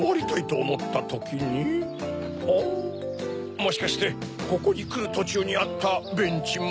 もしかしてここにくるとちゅうにあったベンチも？